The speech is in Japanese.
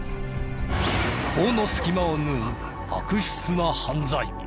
法の隙間を縫う悪質な犯罪。